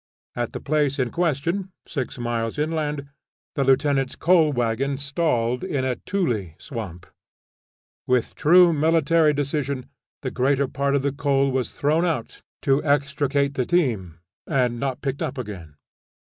At the place in question, six miles inland, the Lieutenant's coal wagon "stalled" in a "tulé" swamp. With true military decision the greater part of the coal was thrown out to extricate the team, and not picked up again.